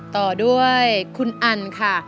ต่อด้วยคุณอันค่ะ